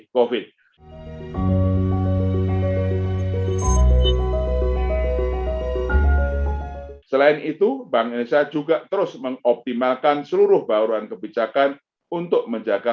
fuera selain itu bangsa juga terus mengoptimalkan seluruh baruan kebijakan untuk menjaga